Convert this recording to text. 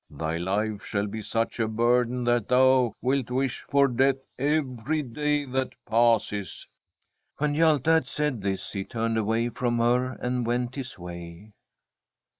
Thy life shall be such a bur den that thou wilt wish for death every day that passes.' When Hjalte had said this he turned away from her and went his way.